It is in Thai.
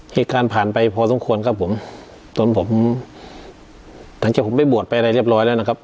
เหตุการณ์ผ่านไปพอสมควรครับผมจนผมหลังจากผมไปบวชไปอะไรเรียบร้อยแล้วนะครับ